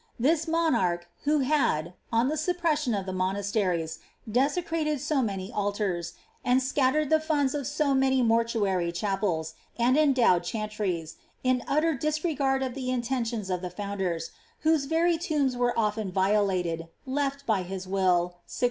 This t *^ vtho had, on the suppreasion of the muiiosteries, desecrated i altars, and scattered the funds of bo many mortuary chapels, and ena duwed chantries, in mter disregard of the iutentions of the foui whose very Imnbs were often violated, lefi, by his will, 600